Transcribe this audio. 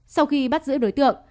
sau khi bắt giữ đối tượng